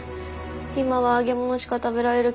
今は揚げ物しか食べられる気がしない。